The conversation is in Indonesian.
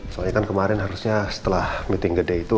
soalnya kan kemarin harusnya setelah meeting gede itu